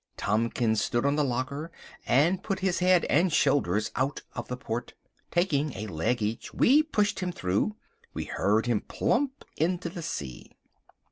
Tompkins stood on the locker and put his head and shoulders out of the port. Taking a leg each we pushed him through. We heard him plump into the sea.